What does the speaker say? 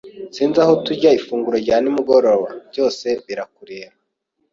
Sinzi aho turya ifunguro rya nimugoroba. Byose birakureba.